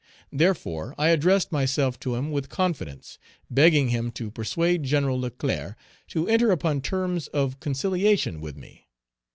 Therefore I addressed myself to him with confidence, begging him to persuade Gen. Leclerc to enter upon terms of conciliation with me.